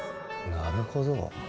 なるほど何？